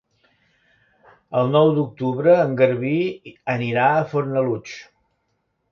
El nou d'octubre en Garbí anirà a Fornalutx.